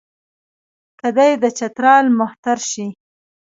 که دی د چترال مهتر شي.